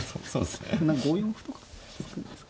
５四歩とか突くんですか。